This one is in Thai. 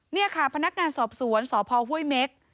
เนี่ยค่ะพนักงานสอบสวนสภฮวยเมก